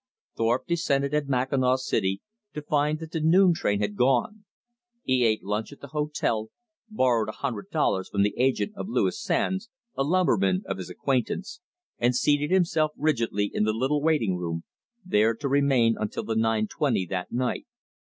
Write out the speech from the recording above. Thorpe descended at Mackinaw City to find that the noon train had gone. He ate lunch at the hotel, borrowed a hundred dollars from the agent of Louis Sands, a lumberman of his acquaintance; and seated himself rigidly in the little waiting room, there to remain until the nine twenty that night.